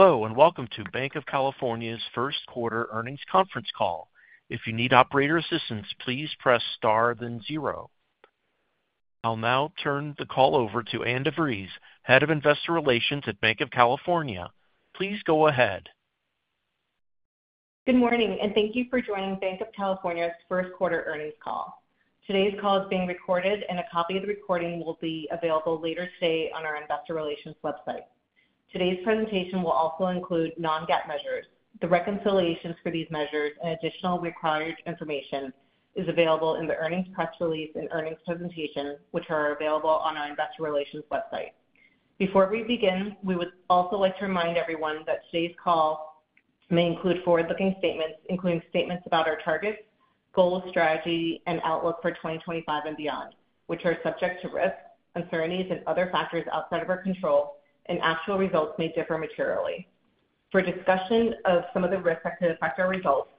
Hello, and welcome to Banc of California's First Quarter Earnings Conference Call. If you need operator assistance, please press star, then zero. I'll now turn the call over to Ann DeVries, Head of Investor Relations at Banc of California. Please go ahead. Good morning, and thank you for joining Banc of California's First Quarter Earnings Call. Today's call is being recorded, and a copy of the recording will be available later today on our Investor Relations website. Today's presentation will also include non-GAAP measures. The reconciliations for these measures and additional required information is available in the earnings press release and earnings presentation, which are available on our Investor Relations website. Before we begin, we would also like to remind everyone that today's call may include forward-looking statements, including statements about our targets, goals, strategy, and outlook for 2025 and beyond, which are subject to risks, uncertainties, and other factors outside of our control, and actual results may differ materially. For discussion of some of the risks that could affect our results,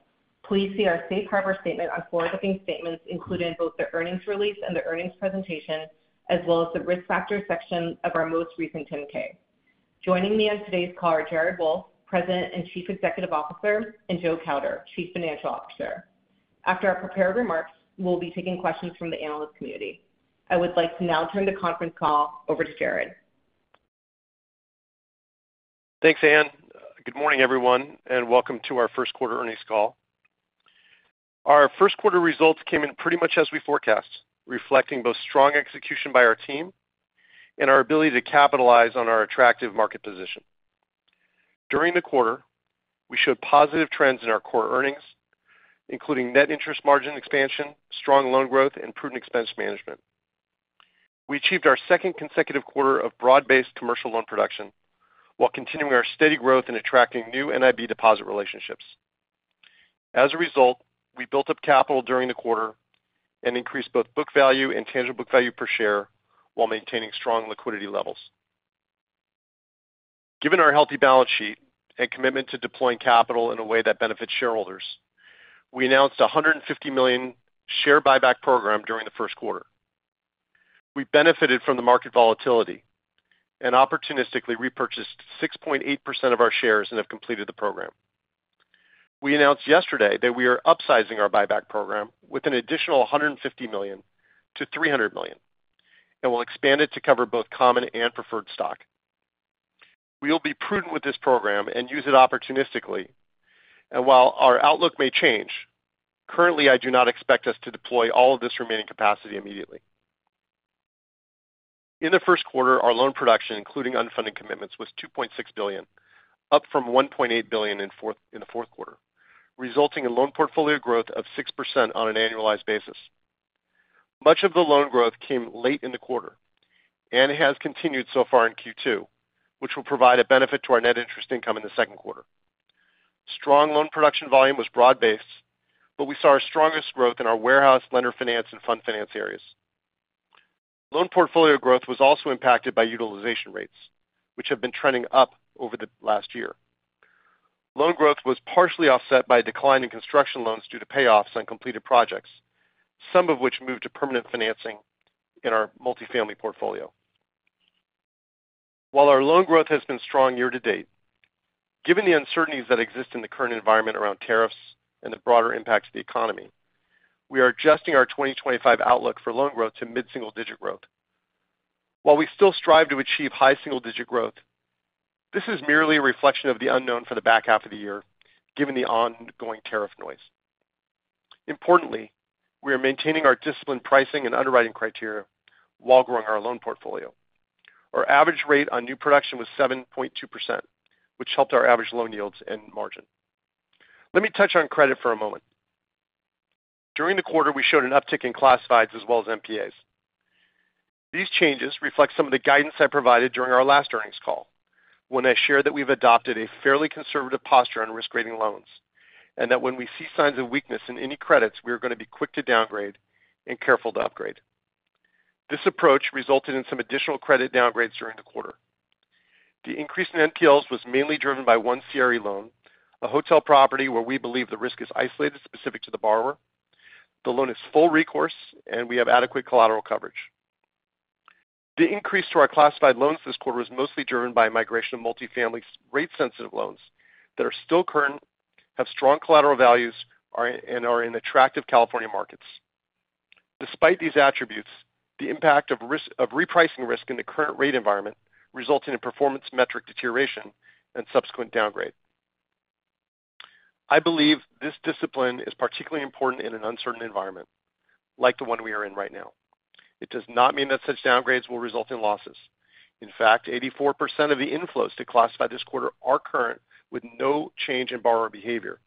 please see our Safe Harbor statement on forward-looking statements, including both the earnings release and the earnings presentation, as well as the risk factor section of our most recent 10-K. Joining me on today's call are Jared Wolff, President and Chief Executive Officer, and Joe Kauder, Chief Financial Officer. After our prepared remarks, we'll be taking questions from the analyst community. I would like to now turn the conference call over to Jared. Thanks, Ann. Good morning, everyone, and welcome to our First Quarter Earnings Call. Our first quarter results came in pretty much as we forecast, reflecting both strong execution by our team and our ability to capitalize on our attractive market position. During the quarter, we showed positive trends in our core earnings, including net interest margin expansion, strong loan growth, and prudent expense management. We achieved our second consecutive quarter of broad-based commercial loan production while continuing our steady growth and attracting new NIB deposit relationships. As a result, we built up capital during the quarter and increased both book value and tangible book value per share while maintaining strong liquidity levels. Given our healthy balance sheet and commitment to deploying capital in a way that benefits shareholders, we announced a $150 million share buyback program during the first quarter. We benefited from the market volatility and opportunistically repurchased 6.8% of our shares and have completed the program. We announced yesterday that we are upsizing our buyback program with an additional $150 million to $300 million, and we will expand it to cover both common and preferred stock. We will be prudent with this program and use it opportunistically. While our outlook may change, currently, I do not expect us to deploy all of this remaining capacity immediately. In the first quarter, our loan production, including unfunded commitments, was $2.6 billion, up from $1.8 billion in the fourth quarter, resulting in loan portfolio growth of 6% on an annualized basis. Much of the loan growth came late in the quarter, and it has continued so far in Q2, which will provide a benefit to our net interest income in the second quarter. Strong loan production volume was broad-based, but we saw our strongest growth in our warehouse, lender finance, and fund finance areas. Loan portfolio growth was also impacted by utilization rates, which have been trending up over the last year. Loan growth was partially offset by a decline in construction loans due to payoffs on completed projects, some of which moved to permanent financing in our multifamily portfolio. While our loan growth has been strong year to date, given the uncertainties that exist in the current environment around tariffs and the broader impacts of the economy, we are adjusting our 2025 outlook for loan growth to mid-single-digit growth. While we still strive to achieve high single-digit growth, this is merely a reflection of the unknown for the back half of the year, given the ongoing tariff noise. Importantly, we are maintaining our disciplined pricing and underwriting criteria while growing our loan portfolio. Our average rate on new production was 7.2%, which helped our average loan yields and margin. Let me touch on credit for a moment. During the quarter, we showed an uptick in classifieds as well as MPAs. These changes reflect some of the guidance I provided during our last earnings call, when I shared that we've adopted a fairly conservative posture on risk-grading loans and that when we see signs of weakness in any credits, we are going to be quick to downgrade and careful to upgrade. This approach resulted in some additional credit downgrades during the quarter. The increase in NPLs was mainly driven by one CRE loan, a hotel property where we believe the risk is isolated specific to the borrower. The loan is full recourse, and we have adequate collateral coverage. The increase to our classified loans this quarter was mostly driven by a migration of multifamily rate-sensitive loans that are still current, have strong collateral values, and are in attractive California markets. Despite these attributes, the impact of repricing risk in the current rate environment resulted in performance metric deterioration and subsequent downgrade. I believe this discipline is particularly important in an uncertain environment like the one we are in right now. It does not mean that such downgrades will result in losses. In fact, 84% of the inflows that are classified this quarter are current with no change in borrower behavior.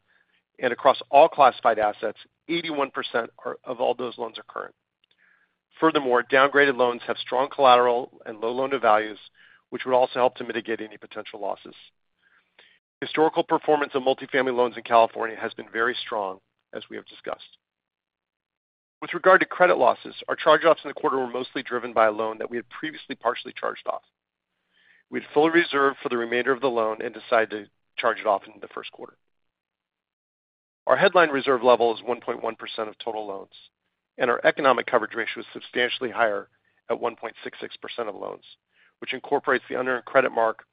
Across all classified assets, 81% of all those loans are current. Furthermore, downgraded loans have strong collateral and low loan-to-values, which would also help to mitigate any potential losses. Historical performance of multifamily loans in California has been very strong, as we have discussed. With regard to credit losses, our charge-offs in the quarter were mostly driven by a loan that we had previously partially charged off. We had full reserve for the remainder of the loan and decided to charge it off in the first quarter. Our headline reserve level is 1.1% of total loans, and our economic coverage ratio is substantially higher at 1.66% of loans, which incorporates the under-credit mark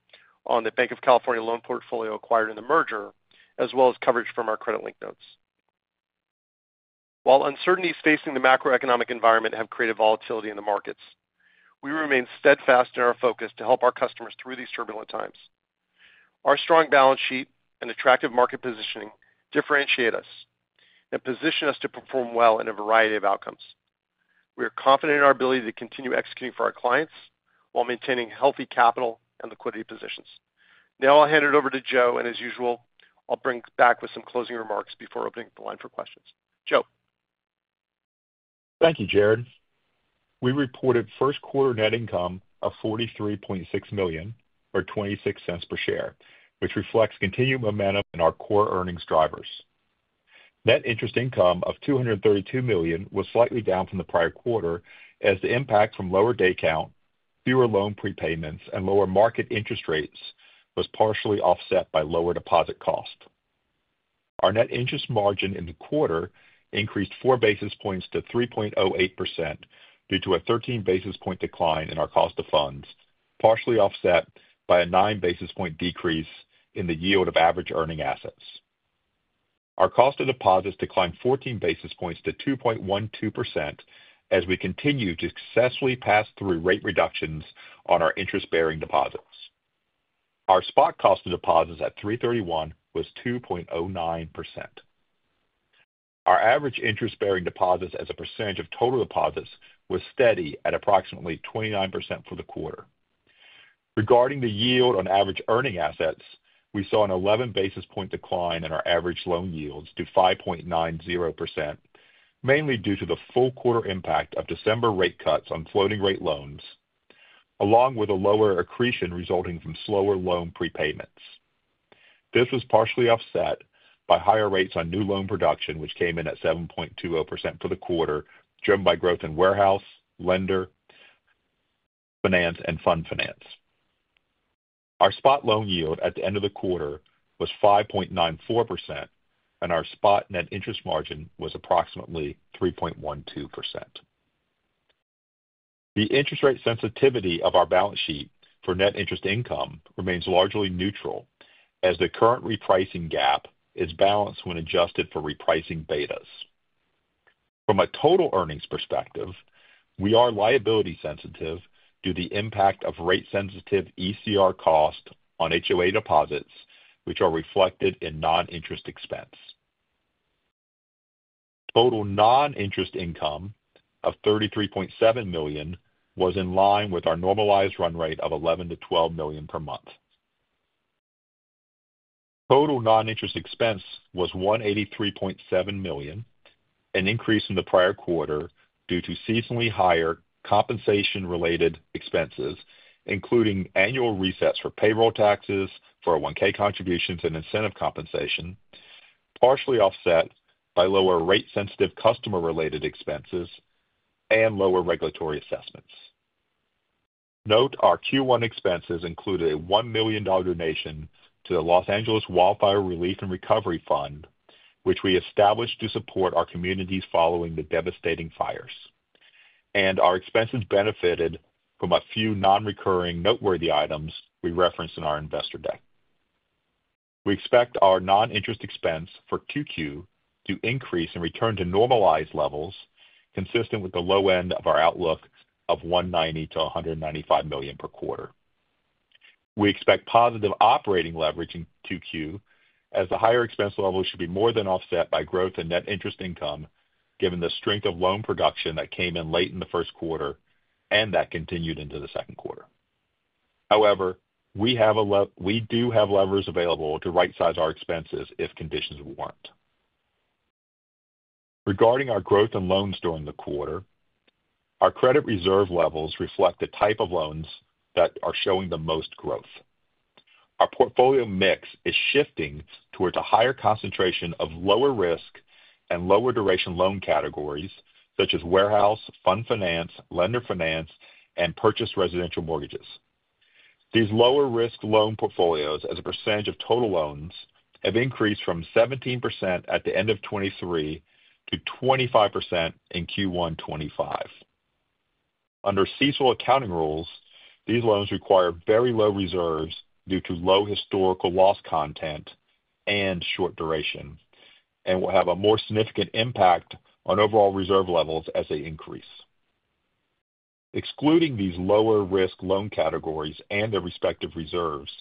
on the Banc of California loan portfolio acquired in the merger, as well as coverage from our credit-link notes. While uncertainties facing the macroeconomic environment have created volatility in the markets, we remain steadfast in our focus to help our customers through these turbulent times. Our strong balance sheet and attractive market positioning differentiate us and position us to perform well in a variety of outcomes. We are confident in our ability to continue executing for our clients while maintaining healthy capital and liquidity positions. Now I'll hand it over to Joe, and as usual, I'll bring back with some closing remarks before opening up the line for questions. Joe. Thank you, Jared. We reported first quarter net income of $43.6 million or $0.26 per share, which reflects continued momentum in our core earnings drivers. Net interest income of $232 million was slightly down from the prior quarter as the impact from lower day count, fewer loan prepayments, and lower market interest rates was partially offset by lower deposit cost. Our net interest margin in the quarter increased four basis points to 3.08% due to a 13 basis point decline in our cost of funds, partially offset by a nine basis point decrease in the yield of average earning assets. Our cost of deposits declined 14 basis points to 2.12% as we continue to successfully pass through rate reductions on our interest-bearing deposits. Our spot cost of deposits at 3/31 was 2.09%. Our average interest-bearing deposits as a percentage of total deposits was steady at approximately 29% for the quarter. Regarding the yield on average earning assets, we saw an 11 basis point decline in our average loan yields to 5.90%, mainly due to the full quarter impact of December rate cuts on floating rate loans, along with a lower accretion resulting from slower loan prepayments. This was partially offset by higher rates on new loan production, which came in at 7.20% for the quarter, driven by growth in warehouse, lender finance, and fund finance. Our spot loan yield at the end of the quarter was 5.94%, and our spot net interest margin was approximately 3.12%. The interest rate sensitivity of our balance sheet for net interest income remains largely neutral as the current repricing gap is balanced when adjusted for repricing betas. From a total earnings perspective, we are liability sensitive due to the impact of rate-sensitive ECR cost on HOA deposits, which are reflected in non-interest expense. Total non-interest income of $33.7 million was in line with our normalized run rate of $11 million to $12 million per month. Total non-interest expense was $183.7 million, an increase from the prior quarter due to seasonally higher compensation-related expenses, including annual resets for payroll taxes, 401(k) contributions, and incentive compensation, partially offset by lower rate-sensitive customer-related expenses and lower regulatory assessments. Note, our Q1 expenses included a $1 million donation to the Los Angeles Wildfire Relief and Recovery Fund, which we established to support our communities following the devastating fires. Our expenses benefited from a few non-recurring noteworthy items we referenced in our investor deck. We expect our non-interest expense for Q2 to increase and return to normalized levels consistent with the low end of our outlook of $190 million to $195 million per quarter. We expect positive operating leverage in Q2 as the higher expense level should be more than offset by growth in net interest income, given the strength of loan production that came in late in the first quarter and that continued into the second quarter. However, we do have levers available to right-size our expenses if conditions would warrant. Regarding our growth in loans during the quarter, our credit reserve levels reflect the type of loans that are showing the most growth. Our portfolio mix is shifting towards a higher concentration of lower-risk and lower-duration loan categories such as warehouse, fund finance, lender finance, and purchased residential mortgages. These lower-risk loan portfolios as a percentage of total loans have increased from 17% at the end of 2023 to 25% in Q1 2025. Under CECL accounting rules, these loans require very low reserves due to low historical loss content and short duration, and will have a more significant impact on overall reserve levels as they increase. Excluding these lower-risk loan categories and their respective reserves,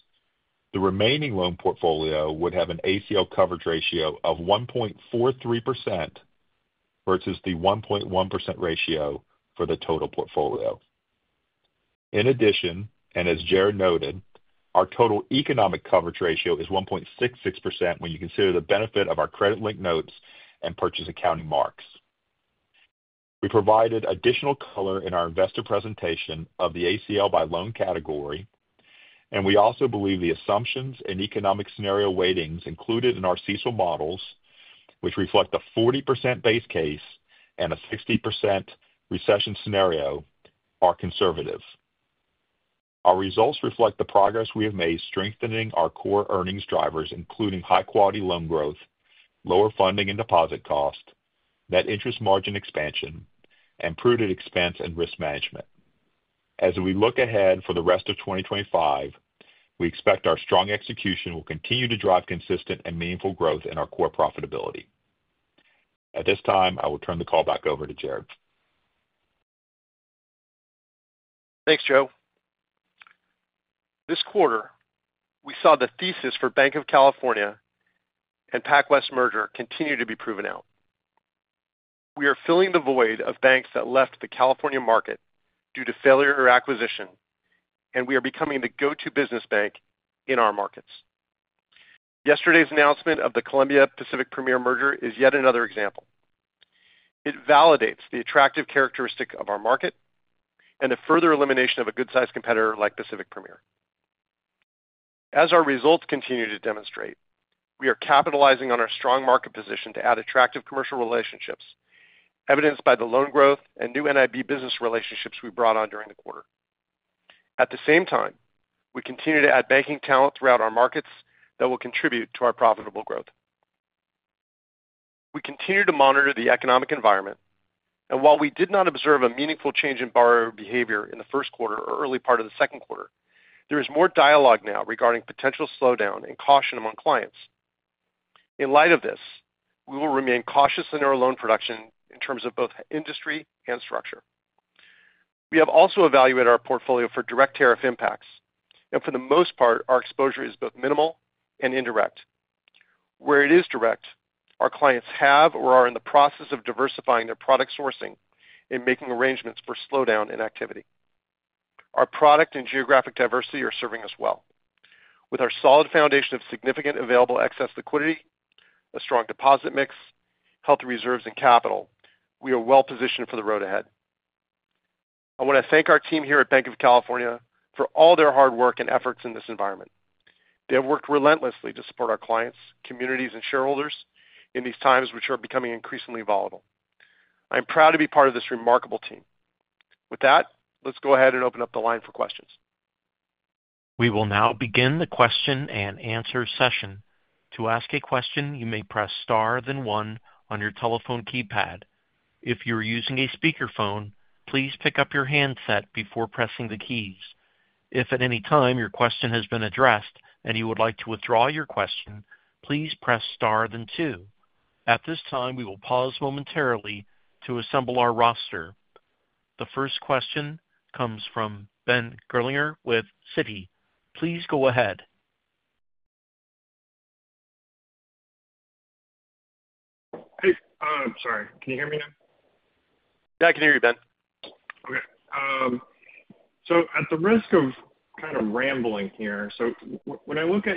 the remaining loan portfolio would have an ACL coverage ratio of 1.43% versus the 1.1% ratio for the total portfolio. In addition and as Jared noted, our total economic coverage ratio is 1.66% when you consider the benefit of our credit-linked notes and purchase accounting marks. We provided additional color in our investor presentation of the ACL by loan category, and we also believe the assumptions and economic scenario weightings included in our CECL models, which reflect a 40% base case and a 60% recession scenario, are conservative. Our results reflect the progress we have made strengthening our core earnings drivers, including high-quality loan growth, lower funding and deposit cost, net interest margin expansion, and prudent expense and risk management. As we look ahead for the rest of 2025, we expect our strong execution will continue to drive consistent and meaningful growth in our core profitability. At this time, I will turn the call back over to Jared. Thanks, Joe. This quarter, we saw the thesis for Banc of California and PacWest merger continue to be proven out. We are filling the void of banks that left the California market due to failure or acquisition, and we are becoming the go-to business bank in our markets. Yesterday's announcement of the Columbia-Pacific Premier merger is yet another example. It validates the attractive characteristic of our market and the further elimination of a good-sized competitor like Pacific Premier. As our results continue to demonstrate, we are capitalizing on our strong market position to add attractive commercial relationships, evidenced by the loan growth and new NIB business relationships we brought on during the quarter. At the same time, we continue to add banking talent throughout our markets that will contribute to our profitable growth. We continue to monitor the economic environment, and while we did not observe a meaningful change in borrower behavior in the first quarter or early part of the second quarter, there is more dialogue now regarding potential slowdown and caution among clients. In light of this, we will remain cautious in our loan production in terms of both industry and structure. We have also evaluated our portfolio for direct tariff impacts, and for the most part, our exposure is both minimal and indirect. Where it is direct, our clients have or are in the process of diversifying their product sourcing and making arrangements for slowdown in activity. Our product and geographic diversity are serving us well. With our solid foundation of significant available excess liquidity, a strong deposit mix, healthy reserves, and capital, we are well positioned for the road ahead. I want to thank our team here at Banc of California for all their hard work and efforts in this environment. They have worked relentlessly to support our clients, communities, and shareholders in these times which are becoming increasingly volatile. I'm proud to be part of this remarkable team. With that, let's go ahead and open up the line for questions. We will now begin the question and answer session. To ask a question, you may press star then one on your telephone keypad. If you're using a speakerphone, please pick up your handset before pressing the keys. If at any time your question has been addressed and you would like to withdraw your question, please press star then two. At this time, we will pause momentarily to assemble our roster. The first question comes from Ben Gerlinger with Citi. Please go ahead. Hey. I'm sorry. Can you hear me now? Yeah, I can hear you, Ben. Okay. At the risk of kind of rambling here, when I look at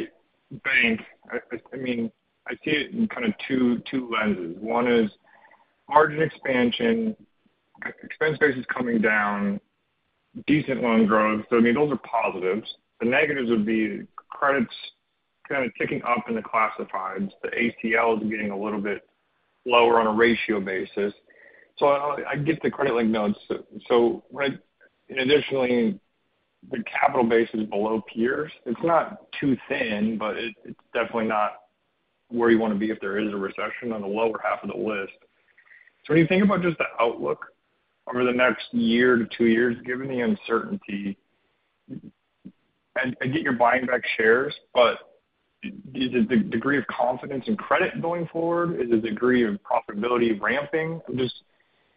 the bank, I mean, I see it in kind of two lenses. One is margin expansion, expense basis coming down, decent loan growth. I mean, those are positives. The negatives would be credits kind of ticking up in the classifieds, the ACLs getting a little bit lower on a ratio basis. I get the credit link notes. Additionally, the capital base is below peers. It's not too thin, but it's definitely not where you want to be if there is a recession on the lower half of the list. When you think about just the outlook over the next year to two years, given the uncertainty, I get you're buying back shares, but is it the degree of confidence in credit going forward? Is it the degree of profitability of ramping? I'm just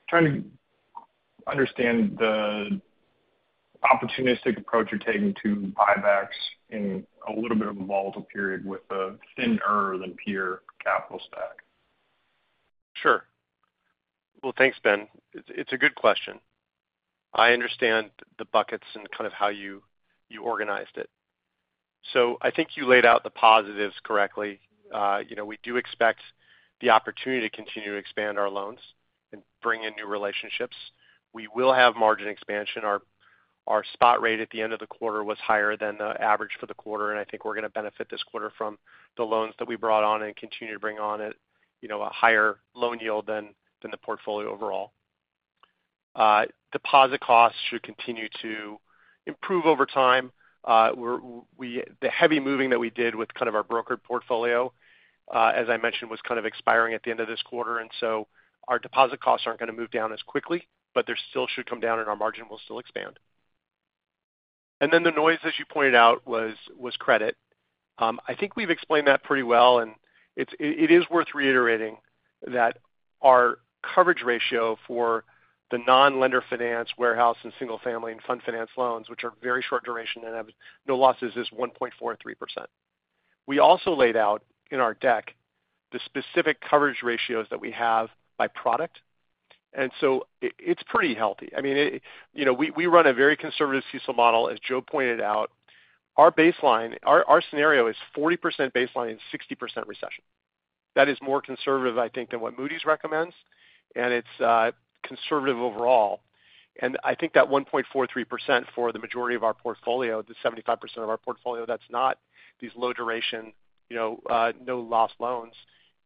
trying to understand the opportunistic approach you're taking to buybacks in a little bit of a volatile period with a thinner than peer capital stack. Sure. Thanks, Ben. It's a good question. I understand the buckets and kind of how you organized it. I think you laid out the positives correctly. We do expect the opportunity to continue to expand our loans and bring in new relationships. We will have margin expansion. Our spot rate at the end of the quarter was higher than the average for the quarter, and I think we're going to benefit this quarter from the loans that we brought on and continue to bring on a higher loan yield than the portfolio overall. Deposit costs should continue to improve over time. The heavy moving that we did with kind of our brokered portfolio, as I mentioned, was kind of expiring at the end of this quarter, and our deposit costs are not going to move down as quickly, but they still should come down and our margin will still expand. The noise, as you pointed out, was credit. I think we've explained that pretty well, and it is worth reiterating that our coverage ratio for the non-lender finance, warehouse, and single-family and fund finance loans, which are very short duration and have no losses, is 1.43%. We also laid out in our deck the specific coverage ratios that we have by product, and so it is pretty healthy. I mean, we run a very conservative CECL model, as Joe pointed out. Our scenario is 40% baseline and 60% recession. That is more conservative, I think, than what Moody's recommends, and it's conservative overall. I think that 1.43% for the majority of our portfolio, the 75% of our portfolio that's not these low-duration, no-loss loans,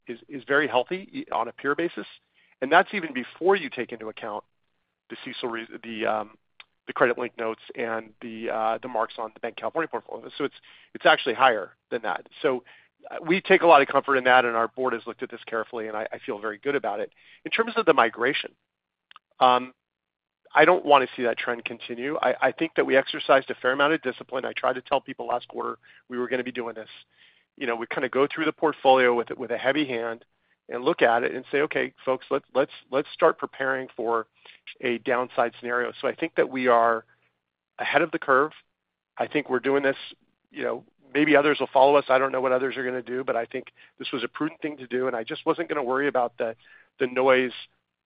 is very healthy on a peer basis. That's even before you take into account the CECL, the credit link notes, and the marks on the Banc of California portfolio. It's actually higher than that. We take a lot of comfort in that, and our board has looked at this carefully, and I feel very good about it. In terms of the migration, I don't want to see that trend continue. I think that we exercised a fair amount of discipline. I tried to tell people last quarter we were going to be doing this. We kind of go through the portfolio with a heavy hand and look at it and say, "Okay, folks, let's start preparing for a downside scenario." I think that we are ahead of the curve. I think we're doing this. Maybe others will follow us. I don't know what others are going to do, but I think this was a prudent thing to do, and I just wasn't going to worry about the noise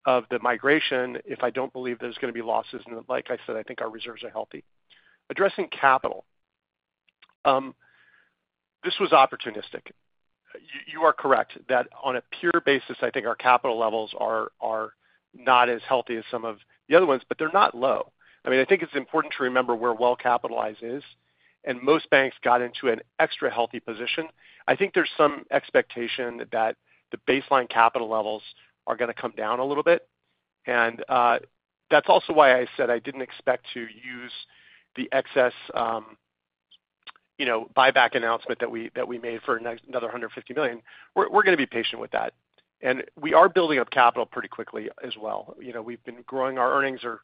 of the migration if I don't believe there's going to be losses. Like I said, I think our reserves are healthy. Addressing capital, this was opportunistic. You are correct that on a peer basis, I think our capital levels are not as healthy as some of the other ones, but they're not low. I mean, I think it's important to remember where well-capitalized is, and most banks got into an extra healthy position. I think there's some expectation that the baseline capital levels are going to come down a little bit. That is also why I said I did not expect to use the excess buyback announcement that we made for another $150 million. We are going to be patient with that. We are building up capital pretty quickly as well. We have been growing. Our earnings are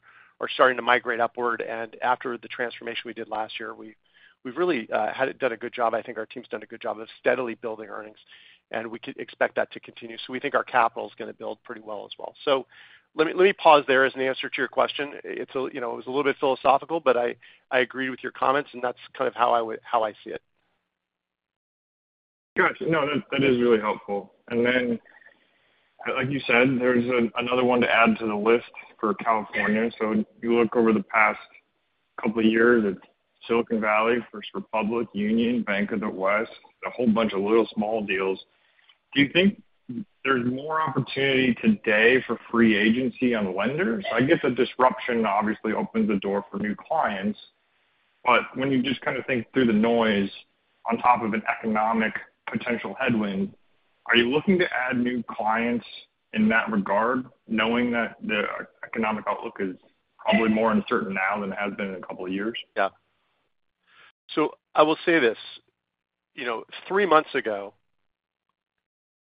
starting to migrate upward. After the transformation we did last year, we have really done a good job. I think our team's done a good job of steadily building our earnings, and we could expect that to continue. We think our capital is going to build pretty well as well. Let me pause there as an answer to your question. It was a little bit philosophical, but I agreed with your comments, and that is kind of how I see it. Got you. No, that is really helpful. Like you said, there's another one to add to the list for California. You look over the past couple of years at Silicon Valley, First Republic, Union, Bank of the West, a whole bunch of little small deals. Do you think there's more opportunity today for free agency on lenders? The disruption obviously opens the door for new clients, but when you just kind of think through the noise on top of an economic potential headwind, are you looking to add new clients in that regard, knowing that the economic outlook is probably more uncertain now than it has been in a couple of years? Yeah. I will say this. Three months ago,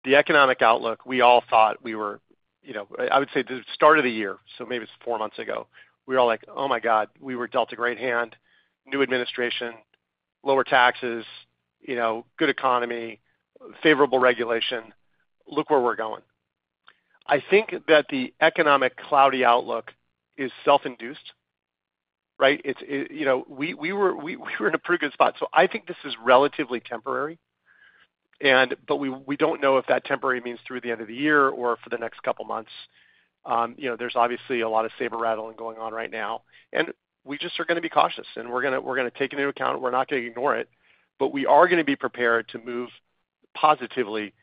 the economic outlook, we all thought we were, you know, I would say the start of the year, so maybe it's four months ago, we were like, "Oh my God, we were dealt a great hand, new administration, lower taxes, good economy, favorable regulation. Look where we're going." I think that the economic cloudy outlook is self-induced, right? We were in a pretty good spot. I think this is relatively temporary, but we don't know if that temporary means through the end of the year or for the next couple of months. There's obviously a lot of saber rattling going on right now. We just are going to be cautious, and we're going to take into account. We're not going to ignore it, but we are going to be prepared to move positively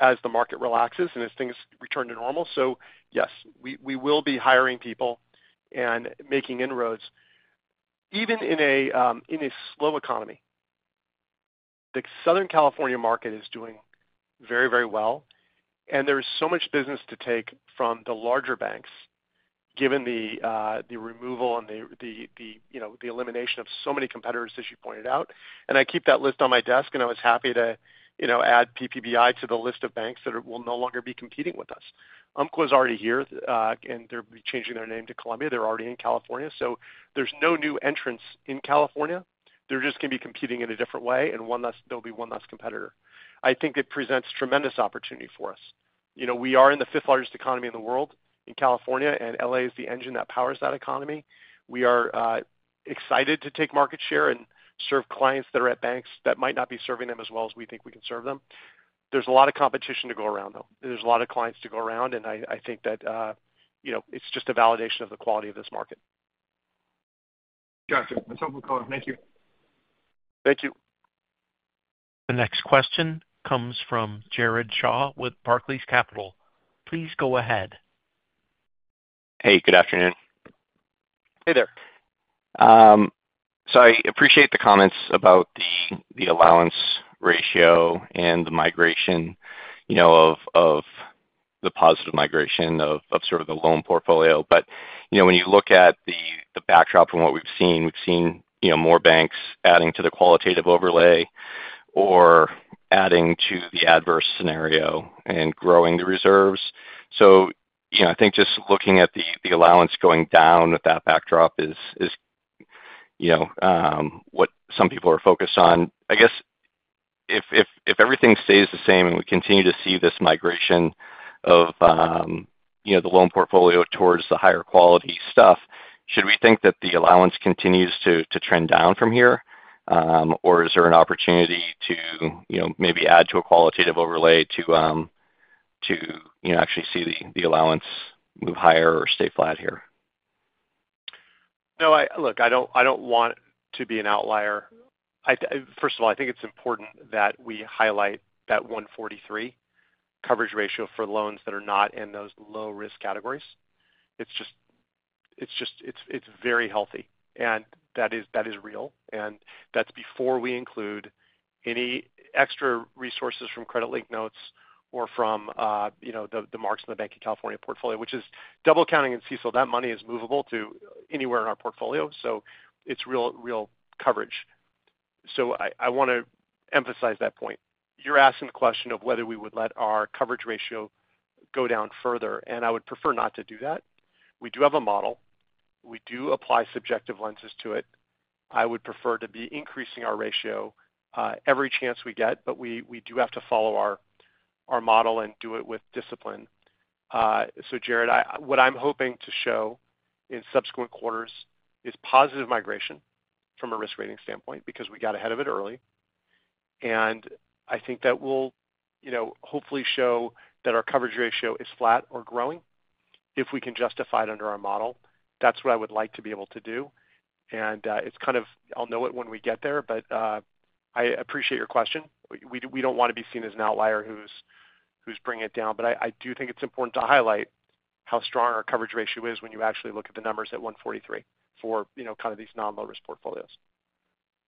as the market relaxes and as things return to normal. Yes, we will be hiring people and making inroads. Even in a slow economy, the Southern California market is doing very, very well, and there is so much business to take from the larger banks, given the removal and the elimination of so many competitors, as you pointed out. I keep that list on my desk, and I was happy to add PPBI to the list of banks that will no longer be competing with us. Umpqua is already here, and they're changing their name to Columbia. They're already in California. There are no new entrants in California. They're just going to be competing in a different way, and there will be one less competitor. I think it presents tremendous opportunity for us. We are in the fifth largest economy in the world in California, and L.A. is the engine that powers that economy. We are excited to take market share and serve clients that are at banks that might not be serving them as well as we think we can serve them. There is a lot of competition to go around, though. There is a lot of clients to go around, and I think that it is just a validation of the quality of this market. Got you. That's helpful, color. Thank you. Thank you. The next question comes from Jared Shaw with Barclays Capital. Please go ahead. Hey, good afternoon. Hey there. I appreciate the comments about the allowance ratio and the migration of the positive migration of sort of the loan portfolio. When you look at the backdrop from what we've seen, we've seen more banks adding to the qualitative overlay or adding to the adverse scenario and growing the reserves. I think just looking at the allowance going down with that backdrop is what some people are focused on. I guess if everything stays the same and we continue to see this migration of the loan portfolio towards the higher quality stuff, should we think that the allowance continues to trend down from here, or is there an opportunity to maybe add to a qualitative overlay to actually see the allowance move higher or stay flat here? No, look, I don't want to be an outlier. First of all, I think it's important that we highlight that 143% coverage ratio for loans that are not in those low-risk categories. It's very healthy, and that is real. And that's before we include any extra resources from credit link notes or from the marks in the Banc of California portfolio, which is double counting in CECL. That money is movable to anywhere in our portfolio, so it's real coverage. I want to emphasize that point. You're asking the question of whether we would let our coverage ratio go down further, and I would prefer not to do that. We do have a model. We do apply subjective lenses to it. I would prefer to be increasing our ratio every chance we get, but we do have to follow our model and do it with discipline. Jared, what I'm hoping to show in subsequent quarters is positive migration from a risk rating standpoint because we got ahead of it early. I think that will hopefully show that our coverage ratio is flat or growing if we can justify it under our model. That's what I would like to be able to do. It's kind of I'll know it when we get there, but I appreciate your question. We do not want to be seen as an outlier who's bringing it down, but I do think it's important to highlight how strong our coverage ratio is when you actually look at the numbers at 143% for kind of these non-low-risk portfolios.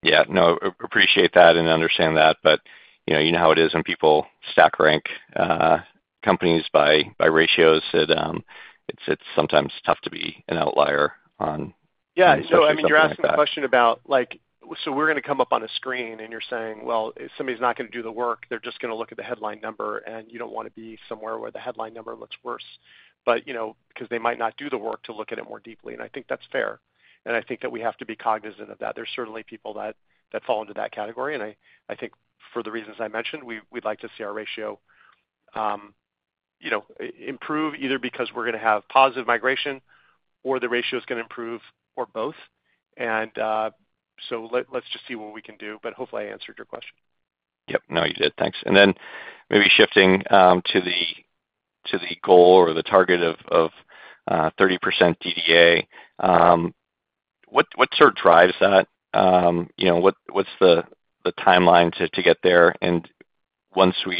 Yeah. No, appreciate that and understand that. You know how it is when people stack rank companies by ratios, that it's sometimes tough to be an outlier on. Yeah. I mean, you're asking the question about like so we're going to come up on a screen, and you're saying, "Well, somebody's not going to do the work. They're just going to look at the headline number," and you don't want to be somewhere where the headline number looks worse because they might not do the work to look at it more deeply. I think that's fair. I think that we have to be cognizant of that. There are certainly people that fall into that category. I think for the reasons I mentioned, we'd like to see our ratio improve, either because we're going to have positive migration or the ratio is going to improve or both. Let's just see what we can do, but hopefully, I answered your question. Yep. No, you did. Thanks. Maybe shifting to the goal or the target of 30% DDA, what sort of drives that? What's the timeline to get there? Once we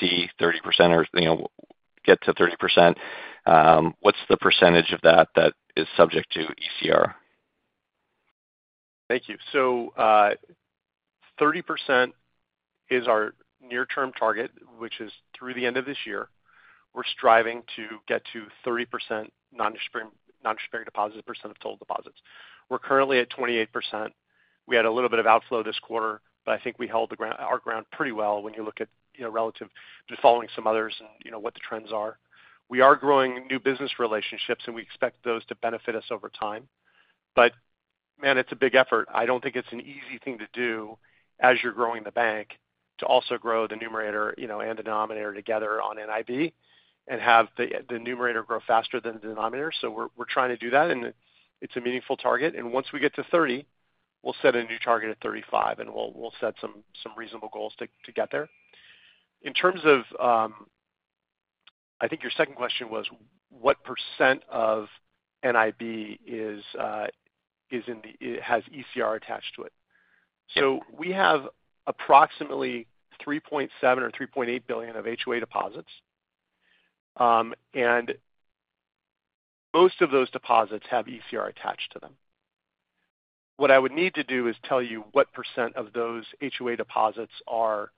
see 30% or get to 30%, what's the percentage of that that is subject to ECR? Thank you. 30% is our near-term target, which is through the end of this year. We're striving to get to 30% non-disparity deposit percent of total deposits. We're currently at 28%. We had a little bit of outflow this quarter, but I think we held our ground pretty well when you look at relative to following some others and what the trends are. We are growing new business relationships, and we expect those to benefit us over time. But man, it's a big effort. I don't think it's an easy thing to do as you're growing the bank to also grow the numerator and the denominator together on NIB and have the numerator grow faster than the denominator. We're trying to do that, and it's a meaningful target. Once we get to 30%, we'll set a new target at 35%, and we'll set some reasonable goals to get there. In terms of, I think your second question was what percent of NIB has ECR attached to it. We have approximately $3.7 billion or $3.8 billion of HOA deposits, and most of those deposits have ECR attached to them. What I would need to do is tell you what percent of those HOA deposits are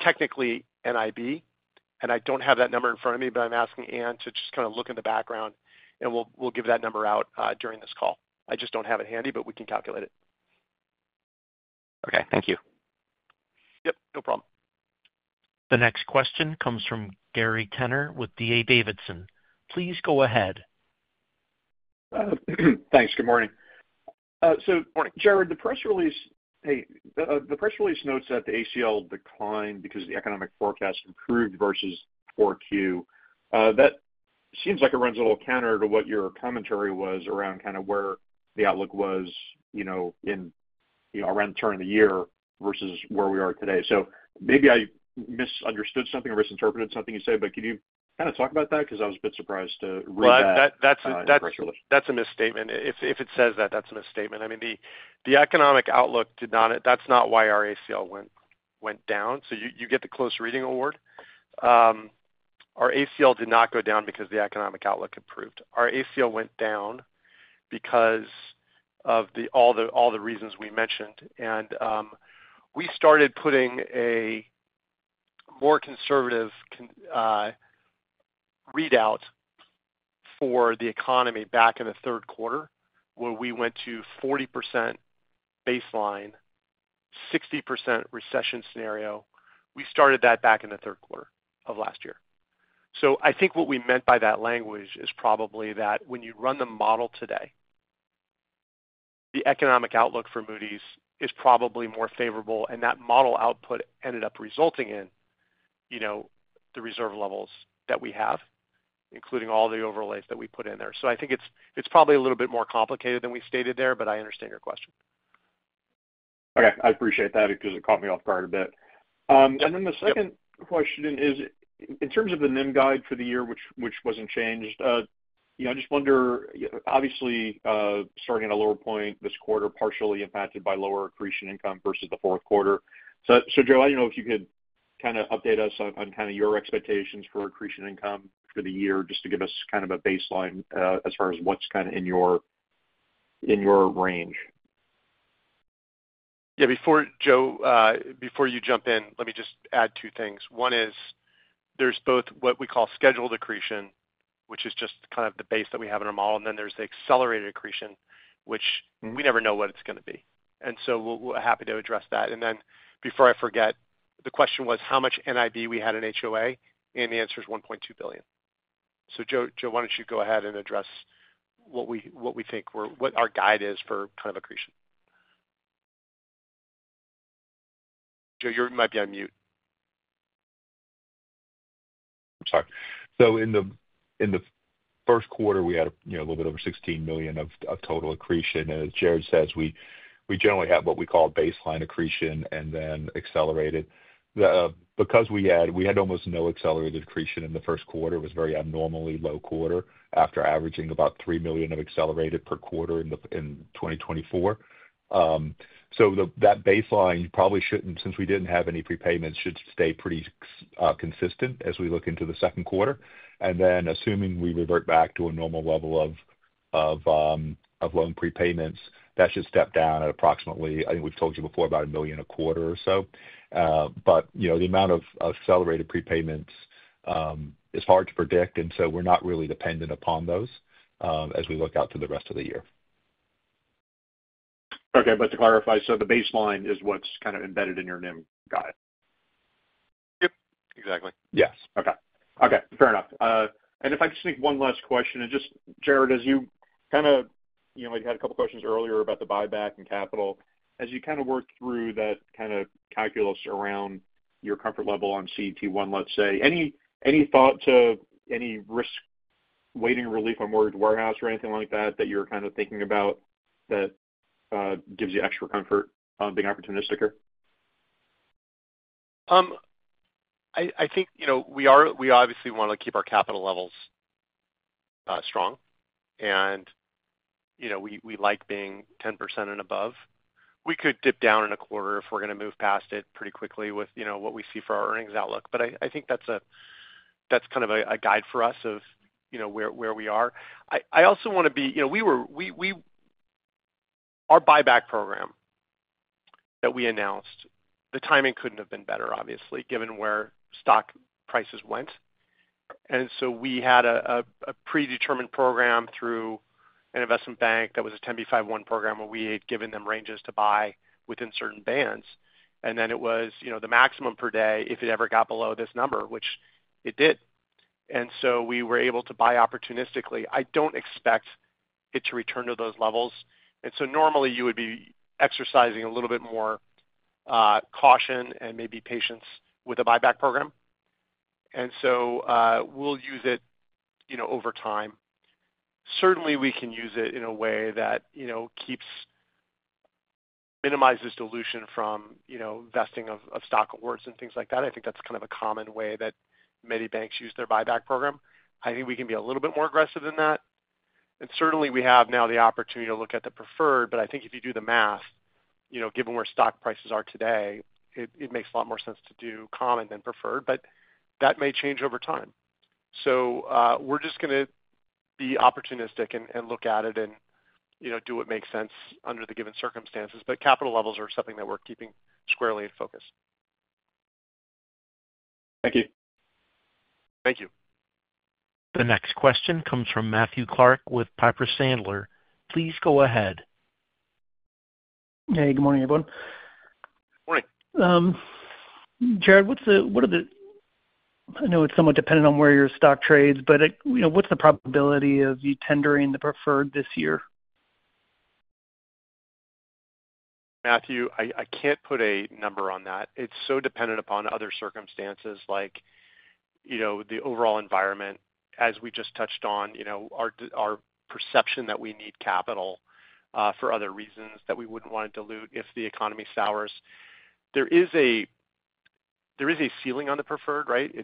technically NIB, and I don't have that number in front of me, but I'm asking Ann to just kind of look in the background, and we'll give that number out during this call. I just don't have it handy, but we can calculate it. Okay. Thank you. Yep. No problem. The next question comes from Gary Tenner with D.A. Davidson. Please go ahead. Thanks. Good morning. Good morning. Jared, the press release notes that the ACL declined because the economic forecast improved versus 4Q. That seems like it runs a little counter to what your commentary was around kind of where the outlook was around the turn of the year versus where we are today. Maybe I misunderstood something or misinterpreted something you said, but can you kind of talk about that? I was a bit surprised to read that. That is a misstatement. If it says that, that is a misstatement. I mean, the economic outlook did not and that is not why our ACL went down. You get the close reading award. Our ACL did not go down because the economic outlook improved. Our ACL went down because of all the reasons we mentioned. We started putting a more conservative readout for the economy back in the third quarter where we went to 40% baseline, 60% recession scenario. We started that back in the third quarter of last year. I think what we meant by that language is probably that when you run the model today, the economic outlook for Moody's is probably more favorable, and that model output ended up resulting in the reserve levels that we have, including all the overlays that we put in there. I think it's probably a little bit more complicated than we stated there, but I understand your question. Okay. I appreciate that because it caught me off guard a bit. The second question is, in terms of the NIM guide for the year, which was not changed, I just wonder, obviously, starting at a lower point this quarter, partially impacted by lower accretion income versus the fourth quarter. Joe, I do not know if you could kind of update us on your expectations for accretion income for the year just to give us a baseline as far as what is in your range. Yeah. Before Joe, before you jump in, let me just add two things. One is there's both what we call scheduled accretion, which is just kind of the base that we have in our model, and then there's the accelerated accretion, which we never know what it's going to be. We're happy to address that. Before I forget, the question was how much NIB we had in HOA, and the answer is $1.2 billion. Joe, why don't you go ahead and address what we think our guide is for kind of accretion? Joe, you might be on mute. I'm sorry. In the first quarter, we had a little bit over $16 million of total accretion. As Jared says, we generally have what we call baseline accretion and then accelerated. Because we had almost no accelerated accretion in the first quarter, it was a very abnormally low quarter after averaging about $3 million of accelerated per quarter in 2024. That baseline probably should not, since we did not have any prepayments, should stay pretty consistent as we look into the second quarter. Assuming we revert back to a normal level of loan prepayments, that should step down at approximately, I think we have told you before, about $1 million a quarter or so. The amount of accelerated prepayments is hard to predict, and we are not really dependent upon those as we look out to the rest of the year. Okay. To clarify, so the baseline is what's kind of embedded in your NIM guide? Yep. Exactly. Yes. Okay. Okay. Fair enough. If I could just take one last question. Jared, as you kind of—I had a couple of questions earlier about the buyback and capital. As you kind of work through that kind of calculus around your comfort level on CET1, let's say, any thought to any risk-weighting relief on mortgage warehouse or anything like that that you're kind of thinking about that gives you extra comfort on being opportunistic here? I think we obviously want to keep our capital levels strong, and we like being 10% and above. We could dip down in a quarter if we're going to move past it pretty quickly with what we see for our earnings outlook. I think that's kind of a guide for us of where we are. I also want to be, you know, our buyback program that we announced, the timing could not have been better, obviously, given where stock prices went. We had a predetermined program through an investment bank that was a 10b5-1 program where we had given them ranges to buy within certain bands. It was the maximum per day if it ever got below this number, which it did. We were able to buy opportunistically. I do not expect it to return to those levels. Normally, you would be exercising a little bit more caution and maybe patience with a buyback program. We will use it over time. Certainly, we can use it in a way that minimizes dilution from vesting of stock awards and things like that. I think that is kind of a common way that many banks use their buyback program. I think we can be a little bit more aggressive than that. Certainly, we have now the opportunity to look at the preferred, but I think if you do the math, given where stock prices are today, it makes a lot more sense to do common than preferred. That may change over time. We are just going to be opportunistic and look at it and do what makes sense under the given circumstances. Capital levels are something that we are keeping squarely in focus. Thank you. Thank you. The next question comes from Matthew Clark with Piper Sandler. Please go ahead. Hey. Good morning, everyone. Good morning. Jared, what are the, I know it's somewhat dependent on where your stock trades, but what's the probability of you tendering the preferred this year? Matthew, I can't put a number on that. It's so dependent upon other circumstances like the overall environment, as we just touched on, our perception that we need capital for other reasons that we wouldn't want to dilute if the economy sours. There is a ceiling on the preferred, right?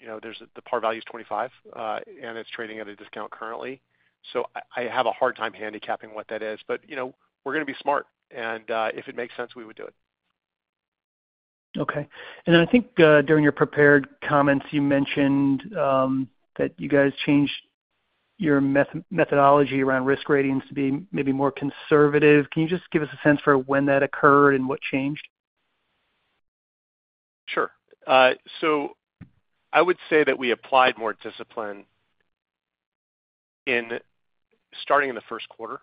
The par value is $25, and it's trading at a discount currently. I have a hard time handicapping what that is. We're going to be smart, and if it makes sense, we would do it. Okay. I think during your prepared comments, you mentioned that you guys changed your methodology around risk ratings to be maybe more conservative. Can you just give us a sense for when that occurred and what changed? Sure. I would say that we applied more discipline starting in the first quarter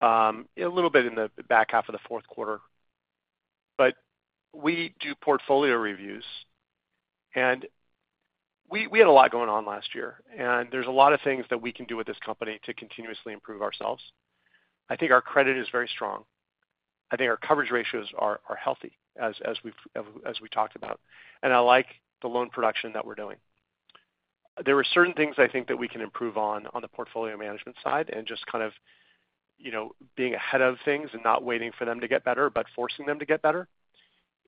and a little bit in the back half of the fourth quarter. We do portfolio reviews, and we had a lot going on last year. There are a lot of things that we can do with this company to continuously improve ourselves. I think our credit is very strong. I think our coverage ratios are healthy, as we talked about. I like the loan production that we're doing. There are certain things I think that we can improve on on the portfolio management side and just kind of being ahead of things and not waiting for them to get better but forcing them to get better.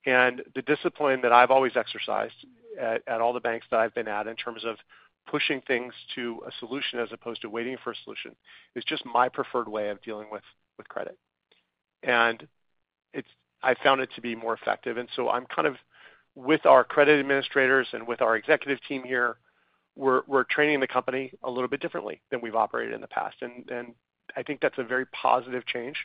The discipline that I've always exercised at all the banks that I've been at in terms of pushing things to a solution as opposed to waiting for a solution is just my preferred way of dealing with credit. I found it to be more effective. I'm kind of with our credit administrators and with our executive team here, we're training the company a little bit differently than we've operated in the past. I think that's a very positive change.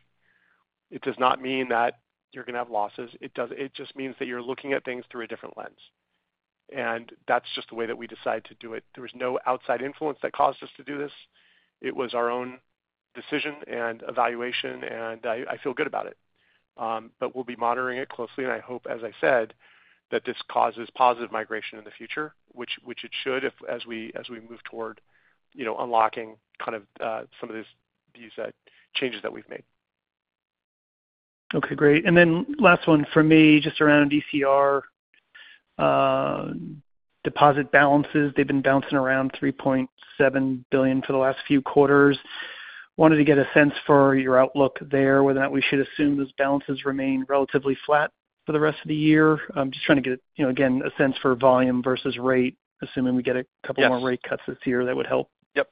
It does not mean that you're going to have losses. It just means that you're looking at things through a different lens. That's just the way that we decided to do it. There was no outside influence that caused us to do this. It was our own decision and evaluation, and I feel good about it. We'll be monitoring it closely. I hope, as I said, that this causes positive migration in the future, which it should as we move toward unlocking kind of some of these changes that we've made. Okay. Great. Last one for me, just around DCR deposit balances. They've been bouncing around $3.7 billion for the last few quarters. I wanted to get a sense for your outlook there, whether or not we should assume those balances remain relatively flat for the rest of the year. I'm just trying to get, again, a sense for volume versus rate, assuming we get a couple more rate cuts this year that would help. Yep.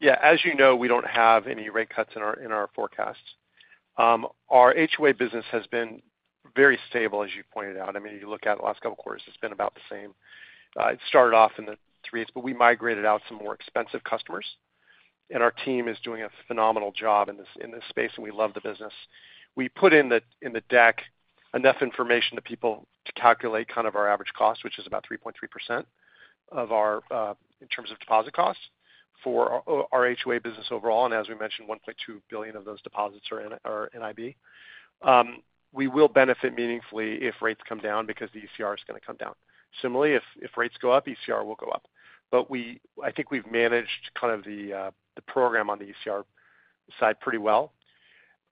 Yeah. As you know, we don't have any rate cuts in our forecasts. Our HOA business has been very stable, as you pointed out. I mean, you look at the last couple of quarters, it's been about the same. It started off in the 3.8, but we migrated out some more expensive customers. And our team is doing a phenomenal job in this space, and we love the business. We put in the deck enough information to calculate kind of our average cost, which is about 3.3% in terms of deposit cost for our HOA business overall. And as we mentioned, $1.2 billion of those deposits are in our NIB. We will benefit meaningfully if rates come down because the ECR is going to come down. Similarly, if rates go up, ECR will go up. I think we've managed kind of the program on the ECR side pretty well.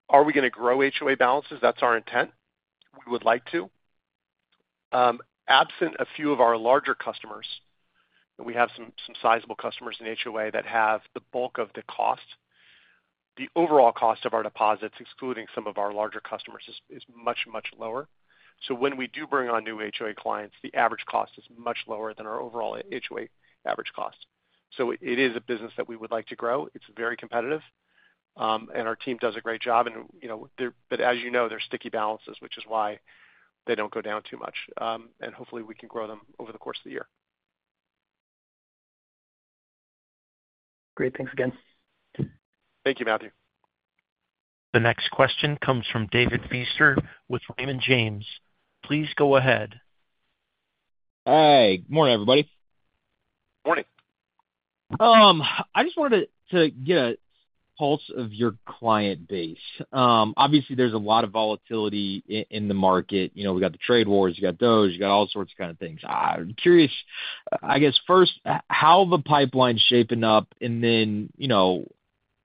Are we going to grow HOA balances? That's our intent. We would like to. Absent a few of our larger customers, and we have some sizable customers in HOA that have the bulk of the cost, the overall cost of our deposits, excluding some of our larger customers, is much, much lower. When we do bring on new HOA clients, the average cost is much lower than our overall HOA average cost. It is a business that we would like to grow. It's very competitive. Our team does a great job. As you know, they're sticky balances, which is why they do not go down too much. Hopefully, we can grow them over the course of the year. Great. Thanks again. Thank you, Matthew. The next question comes from David Feaster with Raymond James. Please go ahead. Hi. Good morning, everybody. Morning. I just wanted to get a pulse of your client base. Obviously, there's a lot of volatility in the market. We got the trade wars. You got those. You got all sorts of kind of things. I'm curious, I guess, first, how the pipeline's shaping up, and then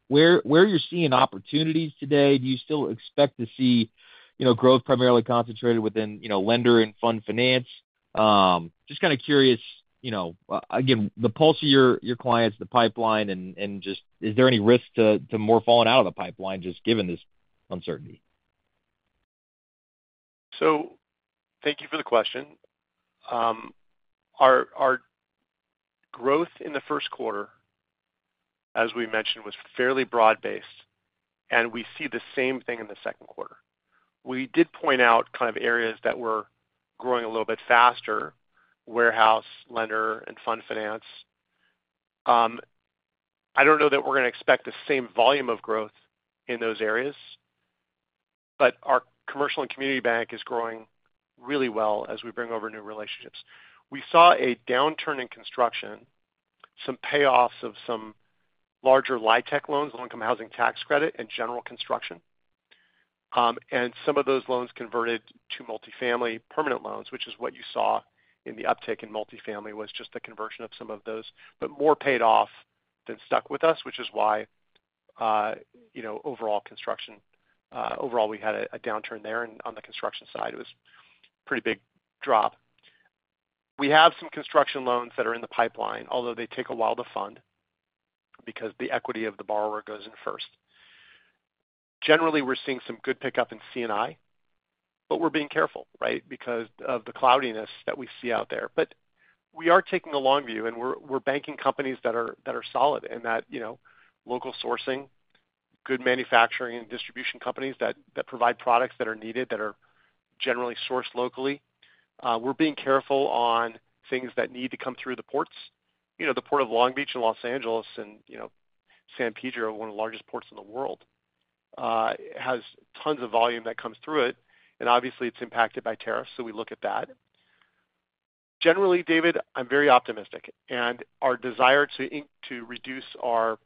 where you're seeing opportunities today. Do you still expect to see growth primarily concentrated within lender and fund finance? Just kind of curious, again, the pulse of your clients, the pipeline, and just is there any risk to more falling out of the pipeline just given this uncertainty? Thank you for the question. Our growth in the first quarter, as we mentioned, was fairly broad-based, and we see the same thing in the second quarter. We did point out kind of areas that were growing a little bit faster: warehouse, lender, and fund finance. I do not know that we are going to expect the same volume of growth in those areas, but our commercial and community bank is growing really well as we bring over new relationships. We saw a downturn in construction, some payoffs of some larger LIHTC loans, Low-Income Housing Tax Credit, and general construction. Some of those loans converted to multifamily permanent loans, which is what you saw in the uptick in multifamily, was just the conversion of some of those, but more paid off than stuck with us, which is why overall construction, overall, we had a downturn there on the construction side, it was a pretty big drop.. We have some construction loans that are in the pipeline, although they take a while to fund because the equity of the borrower goes in first. Generally, we're seeing some good pickup in C&I, but we're being careful, right, because of the cloudiness that we see out there. We are taking a long view, and we're banking companies that are solid in that local sourcing, good manufacturing, and distribution companies that provide products that are needed, that are generally sourced locally. We're being careful on things that need to come through the ports. The Port of Long Beach in Los Angeles and San Pedro, one of the largest ports in the world, has tons of volume that comes through it. Obviously, it's impacted by tariffs, so we look at that. Generally, David, I'm very optimistic. Our desire to reduce our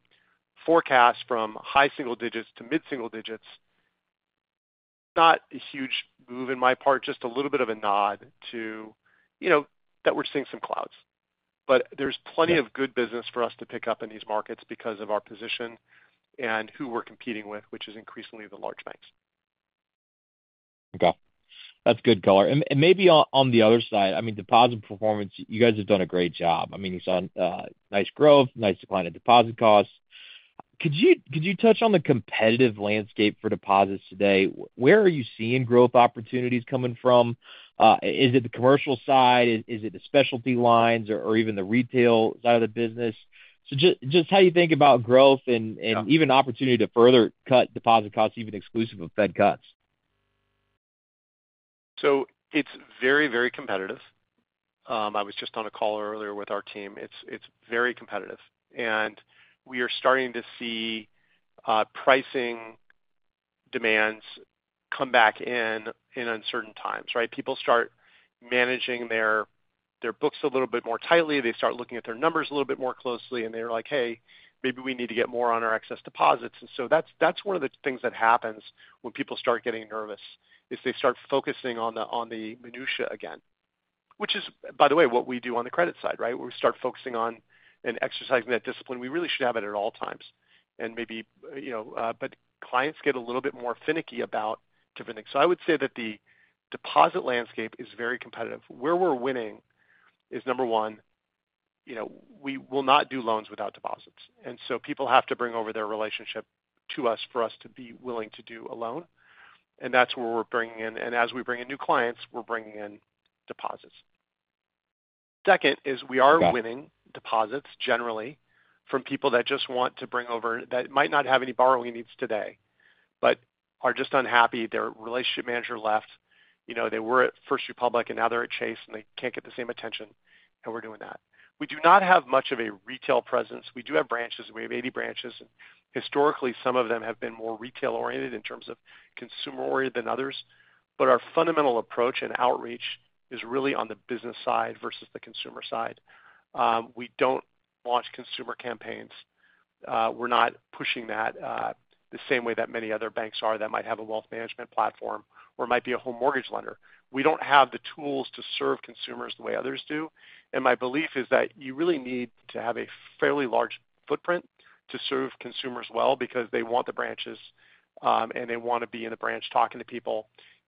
forecast from high single digits to mid-single digits is not a huge move on my part, just a little bit of a nod to that we're seeing some clouds. There is plenty of good business for us to pick up in these markets because of our position and who we are competing with, which is increasingly the large banks. Okay. That's good color. Maybe on the other side, I mean, deposit performance, you guys have done a great job. I mean, you saw nice growth, nice decline in deposit costs. Could you touch on the competitive landscape for deposits today? Where are you seeing growth opportunities coming from? Is it the commercial side? Is it the specialty lines or even the retail side of the business? Just how you think about growth and even opportunity to further cut deposit costs, even exclusive of Fed cuts. It is very, very competitive. I was just on a call earlier with our team. It is very competitive. We are starting to see pricing demands come back in at certain times, right? People start managing their books a little bit more tightly. They start looking at their numbers a little bit more closely, and they are like, "Hey, maybe we need to get more on our excess deposits." That is one of the things that happens when people start getting nervous, is they start focusing on the minutia again, which is, by the way, what we do on the credit side, right? We start focusing on and exercising that discipline. We really should have it at all times. Maybe clients get a little bit more finicky about different things. I would say that the deposit landscape is very competitive. Where we're winning is, number one, we will not do loans without deposits. People have to bring over their relationship to us for us to be willing to do a loan. That's where we're bringing in. As we bring in new clients, we're bringing in deposits. Second is we are winning deposits generally from people that just want to bring over that might not have any borrowing needs today but are just unhappy. Their relationship manager left. They were at First Republic, and now they're at Chase, and they can't get the same attention. We're doing that. We do not have much of a retail presence. We do have branches. We have 80 branches. Historically, some of them have been more retail-oriented in terms of consumer-oriented than others. Our fundamental approach and outreach is really on the business side versus the consumer side. We don't launch consumer campaigns. We're not pushing that the same way that many other banks are that might have a wealth management platform or might be a home mortgage lender. We don't have the tools to serve consumers the way others do. My belief is that you really need to have a fairly large footprint to serve consumers well because they want the branches, and they want to be in the branch talking to people.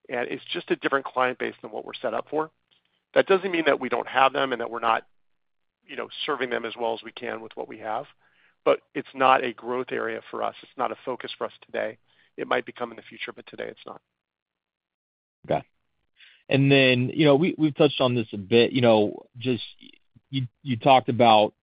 It's just a different client base than what we're set up for. That doesn't mean that we don't have them and that we're not serving them as well as we can with what we have. It's not a growth area for us. It's not a focus for us today. It might become in the future, but today, it's not. Okay. We have touched on this a bit. Just you talked about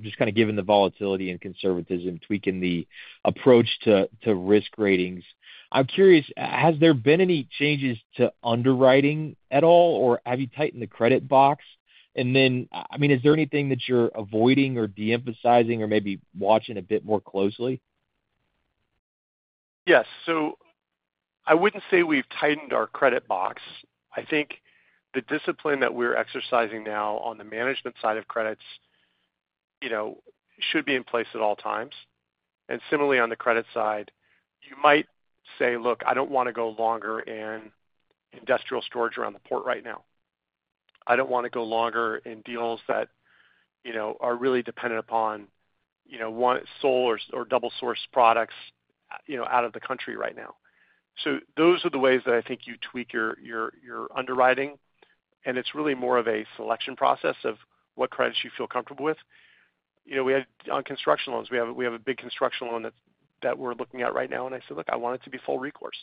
just kind of giving the volatility and conservatism, tweaking the approach to risk ratings. I am curious, has there been any changes to underwriting at all, or have you tightened the credit box? I mean, is there anything that you are avoiding or de-emphasizing or maybe watching a bit more closely? Yes. I would not say we have tightened our credit box. I think the discipline that we are exercising now on the management side of credits should be in place at all times. Similarly, on the credit side, you might say, "Look, I do not want to go longer in industrial storage around the port right now. I do not want to go longer in deals that are really dependent upon sole or double-source products out of the country right now." Those are the ways that I think you tweak your underwriting. It is really more of a selection process of what credits you feel comfortable with. On construction loans, we have a big construction loan that we are looking at right now. I said, "Look, I want it to be full recourse."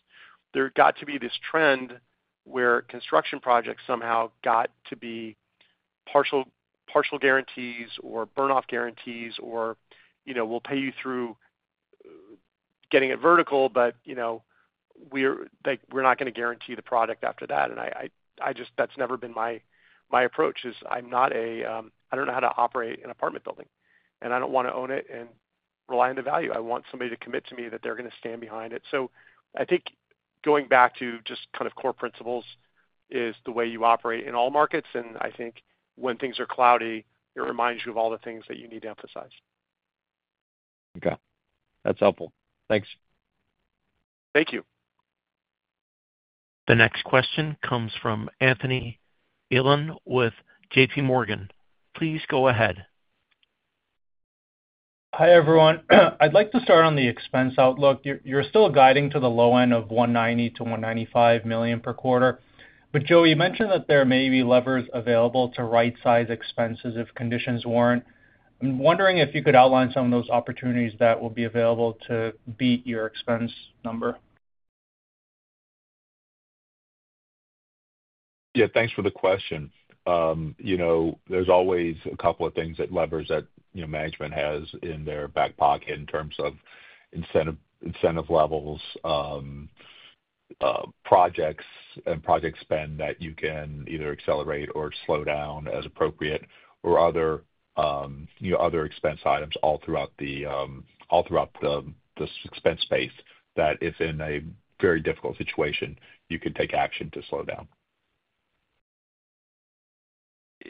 There got to be this trend where construction projects somehow got to be partial guarantees or burn-off guarantees or, "We'll pay you through getting it vertical, but we're not going to guarantee the product after that." That's never been my approach, is I'm not a I don't know how to operate an apartment building. I don't want to own it and rely on the value. I want somebody to commit to me that they're going to stand behind it. I think going back to just kind of core principles is the way you operate in all markets. I think when things are cloudy, it reminds you of all the things that you need to emphasize. Okay. That's helpful. Thanks. Thank you. The next question comes from Anthony Elian with J.P. Morgan. Please go ahead. Hi everyone. I'd like to start on the expense outlook. You're still guiding to the low end of $190 million to $195 million per quarter. Joe, you mentioned that there may be levers available to right-size expenses if conditions warrant. I'm wondering if you could outline some of those opportunities that will be available to beat your expense number. Yeah. Thanks for the question. There's always a couple of things that levers that management has in their backpocket in terms of incentive levels, projects, and project spend that you can either accelerate or slow down as appropriate, or other expense items all throughout the expense space that if in a very difficult situation, you could take action to slow down.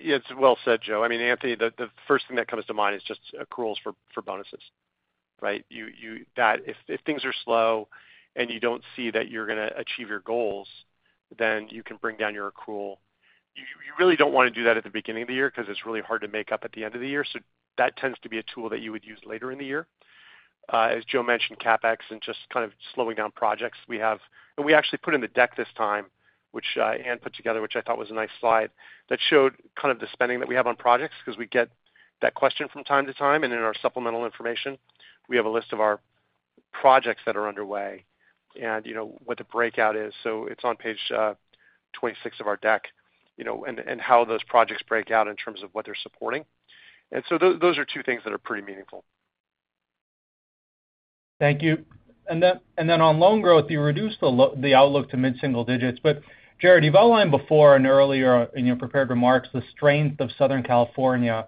Yeah. It's well said, Joe. I mean, Anthony, the first thing that comes to mind is just accruals for bonuses, right? If things are slow and you don't see that you're going to achieve your goals, then you can bring down your accrual. You really don't want to do that at the beginning of the year because it's really hard to make up at the end of the year. That tends to be a tool that you would use later in the year. As Joe mentioned, CapEx and just kind of slowing down projects we have. We actually put in the deck this time, which Ann put together, which I thought was a nice slide that showed kind of the spending that we have on projects because we get that question from time to time. In our supplemental information, we have a list of our projects that are underway and what the breakout is. It is on page 26 of our deck and how those projects break down in terms of what they are supporting. Those are two things that are pretty meaningful. Thank you. On loan growth, you reduced the outlook to mid-single digits. Jared, you've outlined before in your prepared remarks the strength of Southern California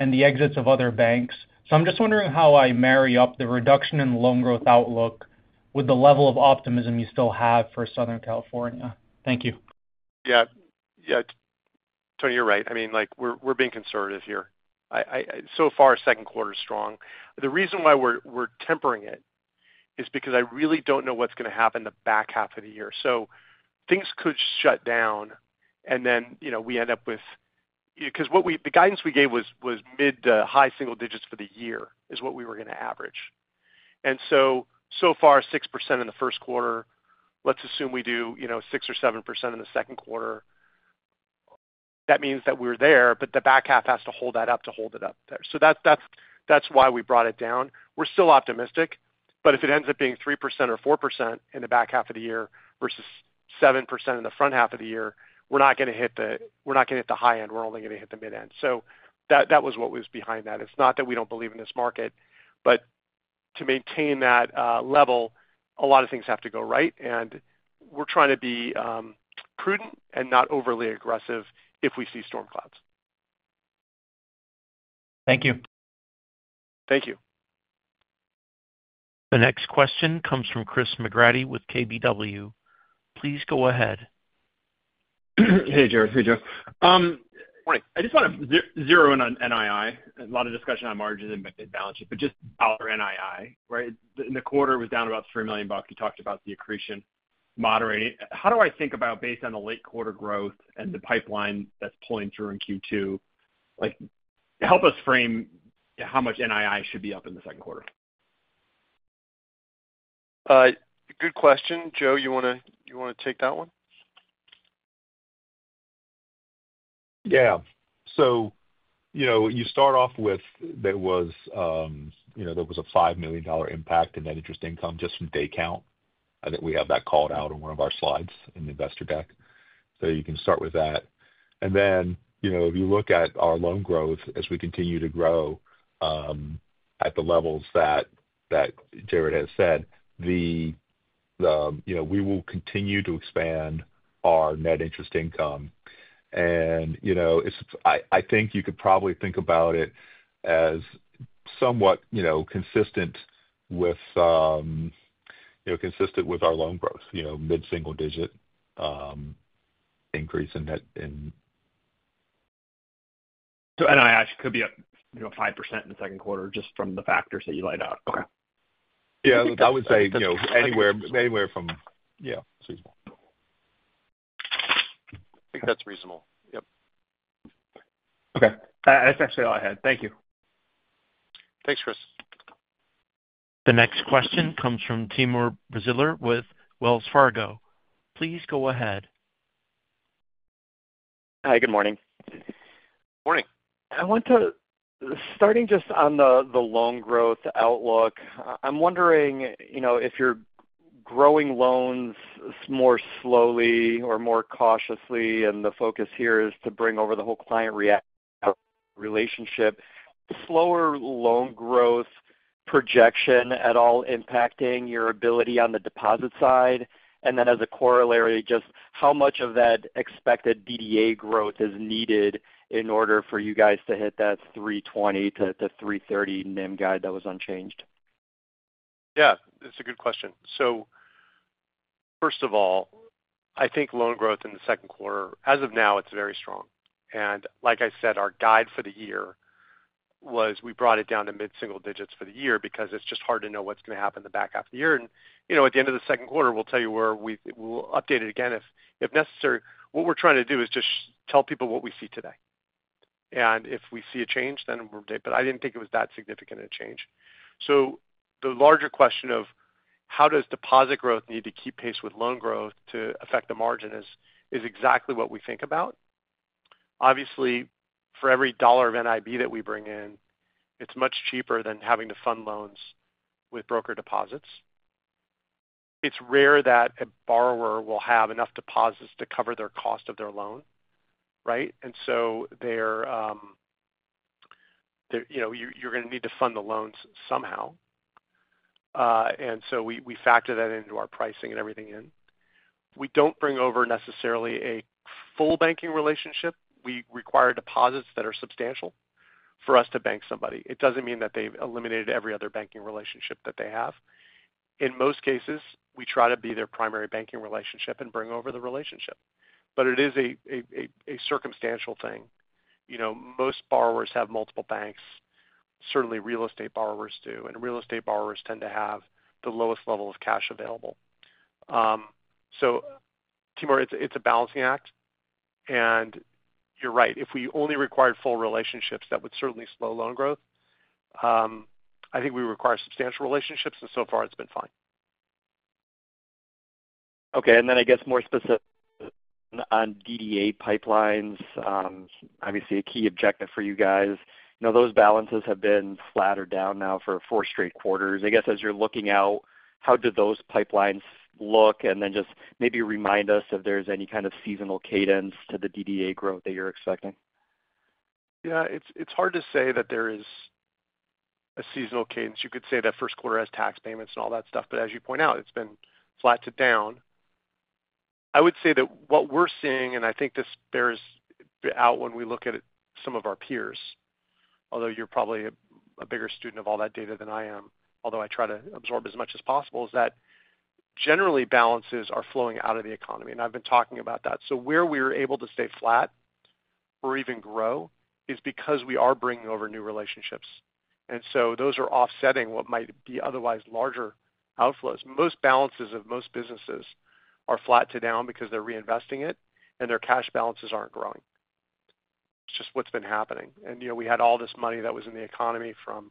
and the exits of other banks. I'm just wondering how I marry up the reduction in loan growth outlook with the level of optimism you still have for Southern California. Thank you. Yeah. Yeah. Tony, you're right. I mean, we're being conservative here. So far, second quarter is strong. The reason why we're tempering it is because I really don't know what's going to happen the back half of the year. Things could shut down, and then we end up with because the guidance we gave was mid to high single digits for the year is what we were going to average. So far, 6% in the first quarter. Let's assume we do 6% or 7% in the second quarter. That means that we're there, but the back half has to hold that up to hold it up there. That's why we brought it down. We're still optimistic, but if it ends up being 3% or 4% in the back half of the year versus 7% in the front half of the year, we're not going to hit the high end. We're only going to hit the mid end. That was what was behind that. It's not that we don't believe in this market, but to maintain that level, a lot of things have to go right. We're trying to be prudent and not overly aggressive if we see storm clouds. Thank you. Thank you. The next question comes from Chris McGratty with KBW. Please go ahead. Hey, Jared. Hey, Joe. I just want to zero in on NII. A lot of discussion on margins and balance sheets, but just dollar NII, right? In the quarter, it was down about $3 million. You talked about the accretion moderating. How do I think about, based on the late quarter growth and the pipeline that's pulling through in Q2, help us frame how much NII should be up in the second quarter? Good question. Joe, you want to take that one? Yeah. You start off with there was a $5 million impact in net interest income just from day count. I think we have that called out on one of our slides in the investor deck. You can start with that. If you look at our loan growth as we continue to grow at the levels that Jared has said, we will continue to expand our net interest income. I think you could probably think about it as somewhat consistent with our loan growth, mid-single digit increase in. NII could be up 5% in the second quarter just from the factors that you laid out. Okay. Yeah. I would say anywhere from, yeah, it's reasonable. I think that's reasonable. Yep. Okay. That's actually all I had. Thank you. Thanks, Chris. The next question comes from Timur Braziler with Wells Fargo. Please go ahead. Hi. Good morning. Morning. I want to start just on the loan growth outlook. I'm wondering if you're growing loans more slowly or more cautiously, and the focus here is to bring over the whole client relationship. Slower loan growth projection at all impacting your ability on the deposit side? As a corollary, just how much of that expected DDA growth is needed in order for you guys to hit that 320 to 330 NIM guide that was unchanged? Yeah. That's a good question. First of all, I think loan growth in the second quarter, as of now, it's very strong. Like I said, our guide for the year was we brought it down to mid-single digits for the year because it's just hard to know what's going to happen the back half of the year. At the end of the second quarter, we'll tell you where we'll update it again if necessary. What we're trying to do is just tell people what we see today. If we see a change, then we'll update. I didn't think it was that significant a change. The larger question of how does deposit growth need to keep pace with loan growth to affect the margin is exactly what we think about. Obviously, for every dollar of NIB that we bring in, it's much cheaper than having to fund loans with broker deposits. It's rare that a borrower will have enough deposits to cover the cost of their loan, right? You're going to need to fund the loans somehow. We factor that into our pricing and everything in. We don't bring over necessarily a full banking relationship. We require deposits that are substantial for us to bank somebody. It doesn't mean that they've eliminated every other banking relationship that they have. In most cases, we try to be their primary banking relationship and bring over the relationship. It is a circumstantial thing. Most borrowers have multiple banks. Certainly, real estate borrowers do. Real estate borrowers tend to have the lowest level of cash available. Timur, it's a balancing act. You're right. If we only required full relationships, that would certainly slow loan growth. I think we require substantial relationships, and so far, it's been fine. Okay. I guess more specific on DDA pipelines, obviously a key objective for you guys. Those balances have been flat or down now for four straight quarters. I guess as you're looking out, how do those pipelines look? Just maybe remind us if there's any kind of seasonal cadence to the DDA growth that you're expecting. Yeah. It's hard to say that there is a seasonal cadence. You could say that first quarter has tax payments and all that stuff. As you point out, it's been flat to down. I would say that what we're seeing, and I think this bears out when we look at some of our peers, although you're probably a bigger student of all that data than I am, although I try to absorb as much as possible, is that generally balances are flowing out of the economy. I've been talking about that. Where we're able to stay flat or even grow is because we are bringing over new relationships. Those are offsetting what might be otherwise larger outflows. Most balances of most businesses are flat to down because they're reinvesting it, and their cash balances aren't growing. It's just what's been happening. We had all this money that was in the economy from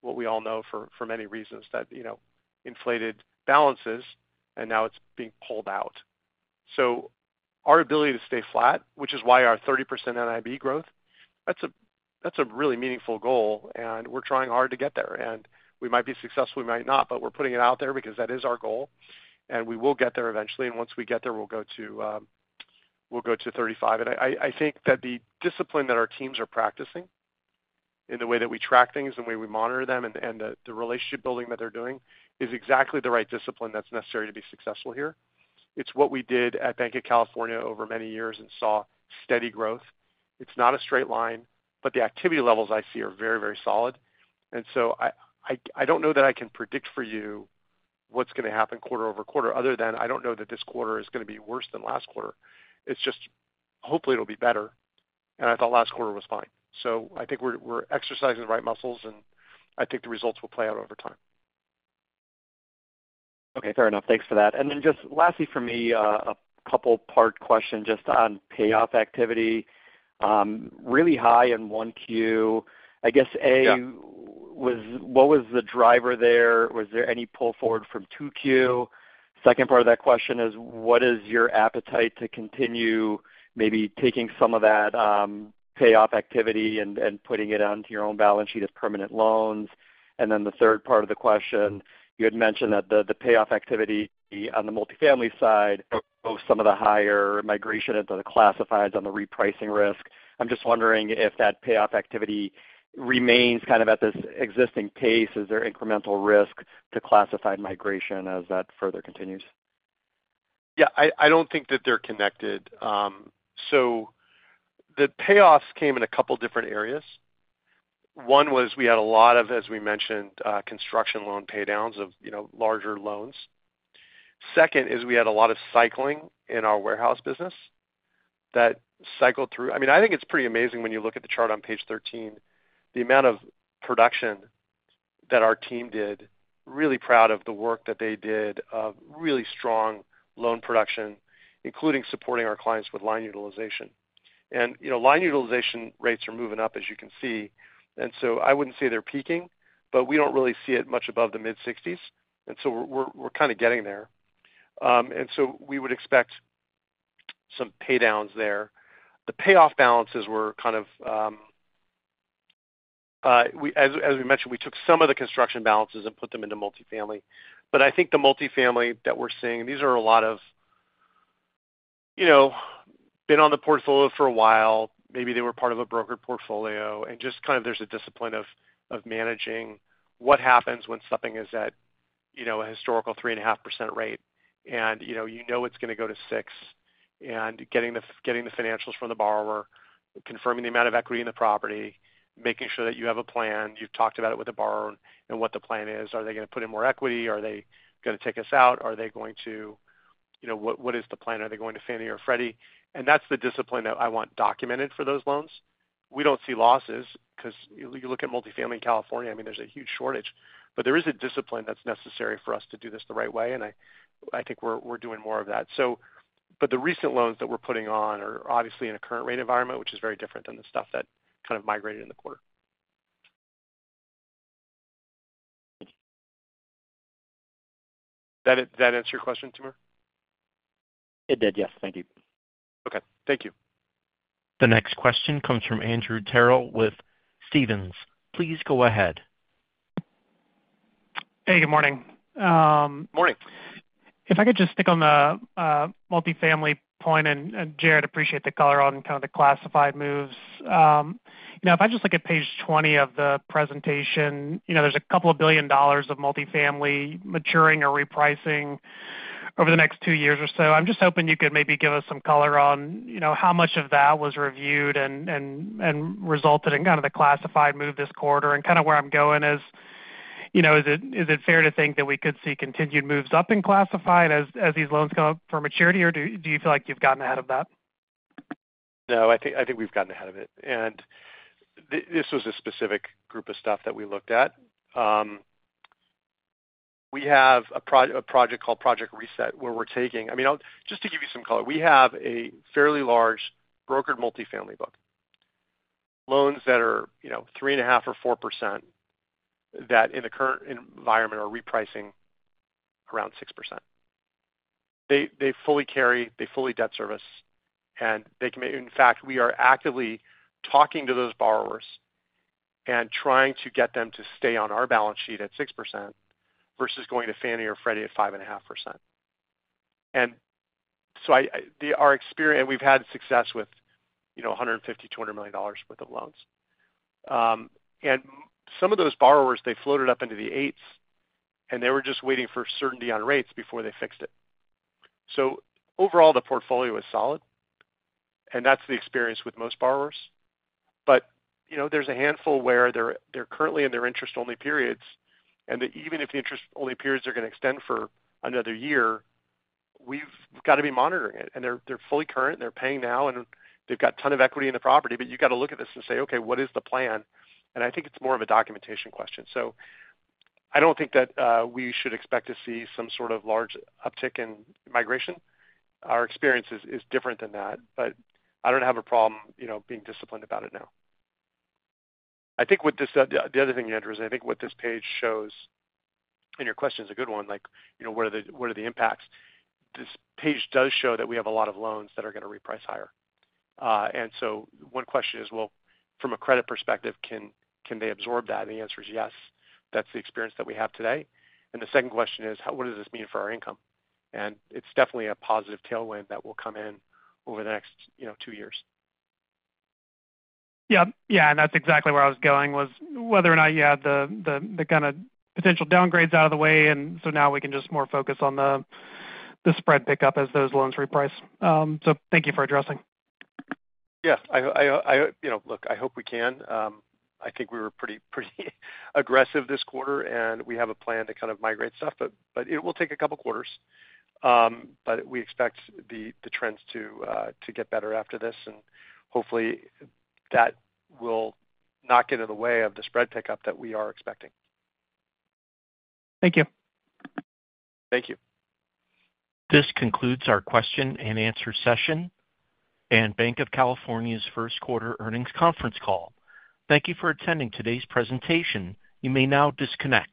what we all know for many reasons that inflated balances, and now it's being pulled out. Our ability to stay flat, which is why our 30% NIB growth, that's a really meaningful goal. We're trying hard to get there. We might be successful, we might not, but we're putting it out there because that is our goal. We will get there eventually. Once we get there, we'll go to 35%. I think that the discipline that our teams are practicing in the way that we track things, the way we monitor them, and the relationship building that they're doing is exactly the right discipline that's necessary to be successful here. It's what we did at Banc of California over many years and saw steady growth. It's not a straight line, but the activity levels I see are very, very solid. I don't know that I can predict for you what's going to happen quarter-over-quarter other than I don't know that this quarter is going to be worse than last quarter. It's just hopefully it'll be better. I thought last quarter was fine. I think we're exercising the right muscles, and I think the results will play out over time. Okay. Fair enough. Thanks for that. Lastly for me, a couple-part question just on payoff activity. Really high in 1Q. I guess, A, what was the driver there? Was there any pull forward from 2Q? Second part of that question is, what is your appetite to continue maybe taking some of that payoff activity and putting it onto your own balance sheet as permanent loans? The third part of the question, you had mentioned that the payoff activity on the multifamily side of some of the higher migration into the classifieds on the repricing risk. I'm just wondering if that payoff activity remains kind of at this existing pace. Is there incremental risk to classified migration as that further continues? Yeah. I do not think that they are connected. The payoffs came in a couple of different areas. One was we had a lot of, as we mentioned, construction loan paydowns of larger loans. Second is we had a lot of cycling in our warehouse business that cycled through. I mean, I think it is pretty amazing when you look at the chart on page 13, the amount of production that our team did, really proud of the work that they did, a really strong loan production, including supporting our clients with line utilization. Line utilization rates are moving up, as you can see. I would not say they are peaking, but we do not really see it much above the mid-60s. We are kind of getting there. We would expect some paydowns there. The payoff balances were kind of, as we mentioned, we took some of the construction balances and put them into multifamily. I think the multifamily that we're seeing, these have been on the portfolio for a while. Maybe they were part of a broker portfolio. There is a discipline of managing what happens when something is at a historical 3.5% rate and you know it's going to go to 6% and getting the financials from the borrower, confirming the amount of equity in the property, making sure that you have a plan. You've talked about it with the borrower and what the plan is. Are they going to put in more equity? Are they going to take us out? What is the plan? Are they going to Fannie or Freddie? That is the discipline that I want documented for those loans. We do not see losses because you look at multifamily in California, I mean, there is a huge shortage. There is a discipline that is necessary for us to do this the right way. I think we are doing more of that. The recent loans that we are putting on are obviously in a current rate environment, which is very different than the stuff that kind of migrated in the quarter. Did that answer your question, Timur? It did. Yes. Thank you. Okay. Thank you. The next question comes from Andrew Terrell with Stephens. Please go ahead. Hey, good morning. Morning. If I could just pick on the multifamily point, and Jared, appreciate the color on kind of the classified moves. If I just look at page 20 of the presentation, there's a couple of billion dollars of multifamily maturing or repricing over the next two years or so. I'm just hoping you could maybe give us some color on how much of that was reviewed and resulted in kind of the classified move this quarter. Where I'm going is, is it fair to think that we could see continued moves up in classified as these loans go up for maturity, or do you feel like you've gotten ahead of that? No, I think we've gotten ahead of it. This was a specific group of stuff that we looked at. We have a project called Project Reset where we're taking, I mean, just to give you some color, we have a fairly large brokered multifamily book, loans that are 3.5% or 4% that in the current environment are repricing around 6%. They fully carry, they fully debt service, and they can, in fact, we are actively talking to those borrowers and trying to get them to stay on our balance sheet at 6% versus going to Fannie or Freddie at 5.5%. Our experience, and we've had success with $150 million-$200 million worth of loans. Some of those borrowers, they floated up into the 8s, and they were just waiting for certainty on rates before they fixed it. Overall, the portfolio is solid, and that's the experience with most borrowers. There is a handful where they're currently in their interest-only periods. Even if the interest-only periods are going to extend for another year, we've got to be monitoring it. They're fully current, they're paying now, and they've got a ton of equity in the property. You've got to look at this and say, "Okay, what is the plan?" I think it's more of a documentation question. I don't think that we should expect to see some sort of large uptick in migration. Our experience is different than that. I don't have a problem being disciplined about it now. I think with this, the other thing, Andrew, is I think what this page shows and your question is a good one, like, "What are the impacts?" This page does show that we have a lot of loans that are going to reprice higher. One question is, "Well, from a credit perspective, can they absorb that?" The answer is yes. That's the experience that we have today. The second question is, "What does this mean for our income?" It's definitely a positive tailwind that will come in over the next two years. Yeah. Yeah. That is exactly where I was going, whether or not you had the kind of potential downgrades out of the way. Now we can just more focus on the spread pickup as those loans reprice. Thank you for addressing. Yeah. Look, I hope we can. I think we were pretty aggressive this quarter, and we have a plan to kind of migrate stuff. It will take a couple of quarters. We expect the trends to get better after this. Hopefully, that will not get in the way of the spread pickup that we are expecting. Thank you. Thank you. This concludes our question and answer session and Banc of California's First Quarter Earnings Conference Call. Thank you for attending today's presentation. You may now disconnect.